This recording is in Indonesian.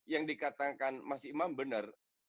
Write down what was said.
yang dikatakan mas imam benar